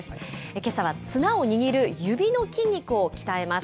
けさは綱を握る指の筋肉を鍛えます。